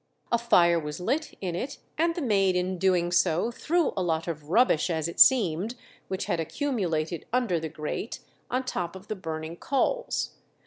A fire was lit in it, and the maid in doing so threw a lot of rubbish, as it seemed, which had accumulated under the grate, on top of the burning coals.